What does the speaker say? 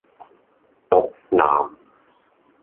毒男